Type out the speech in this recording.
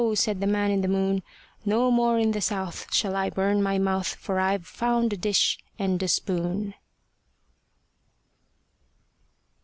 said the man in the moon "No more in the South Shall I burn my mouth, For I've found a dish and a spoon."